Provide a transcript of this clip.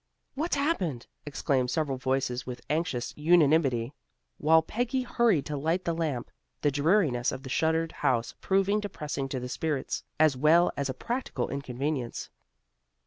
"What's happened?" exclaimed several voices with anxious unanimity, while Peggy hurried to light the lamp, the dreariness of the shuttered house proving depressing to the spirits, as well as a practical inconvenience.